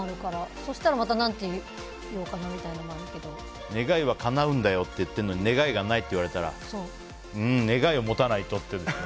そしたらまたなんて言おうかな願いはかなうんだよって言ってるのに願いがないと言われたら願いを持たないとって。